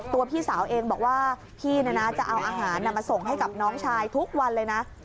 พี่สาวเองบอกว่าพี่จะเอาอาหารมาส่งให้กับน้องชายทุกวันเลยนะ